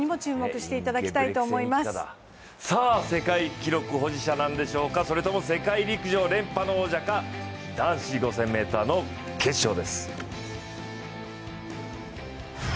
世界記録保持者なんでしょうかそれとも世界陸上連覇の王者か、男子５０００ｍの決勝です。